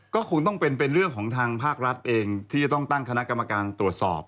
ก็คงต้องเป็นเรื่องของทางภาครัฐเองที่จะต้องตั้งคณะกรรมการตรวจสอบ